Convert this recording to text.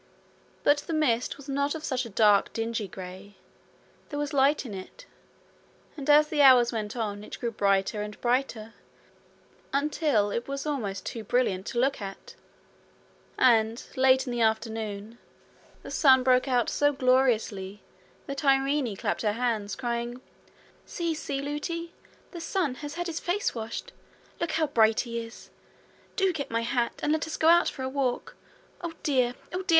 But the mist was not of such a dark dingy grey; there was light in it; and as the hours went on it grew brighter and brighter, until it was almost too brilliant to look at; and late in the afternoon the sun broke out so gloriously that Irene clapped her hands, crying: 'See, see, Lootie! The sun has had his face washed. Look how bright he is! Do get my hat, and let us go out for a walk. Oh, dear! oh, dear!